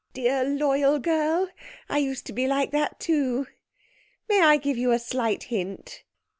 'Dear loyal girl! I used to be like that too. May I give you a slight hint?